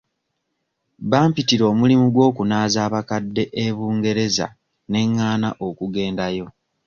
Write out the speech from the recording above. Bampitira omulimu gw'okunaaza abakadde e Bungereza ne ngaana okugendayo.